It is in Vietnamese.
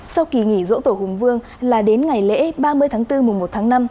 sau kỳ nghỉ dỗ tổ hùng vương là đến ngày lễ ba mươi tháng bốn mùa một tháng năm